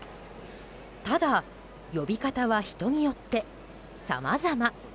ただ、呼び方は人によってさまざま。